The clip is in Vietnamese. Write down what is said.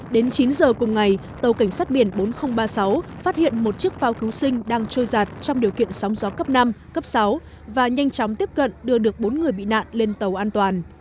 đến chín giờ cùng ngày tàu cảnh sát biển bốn nghìn ba mươi sáu phát hiện một chiếc phao cứu sinh đang trôi giạt trong điều kiện sóng gió cấp năm cấp sáu và nhanh chóng tiếp cận đưa được bốn người bị nạn lên tàu an toàn